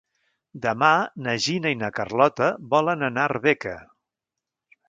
Demà na Gina i na Carlota volen anar a Arbeca.